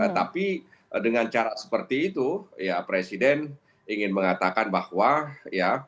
tapi dengan cara seperti itu ya presiden ingin mengatakan bahwa ya